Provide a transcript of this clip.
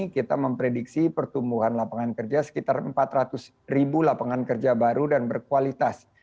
kita memprediksi pertumbuhan lapangan kerja sekitar empat ratus ribu lapangan kerja baru dan berkualitas